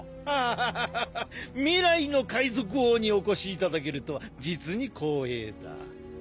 ハハハ未来の海賊王にお越しいただけるとは実に光栄だ。